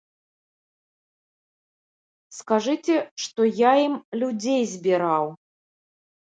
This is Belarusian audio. Скажыце, што я ім людзей збіраў.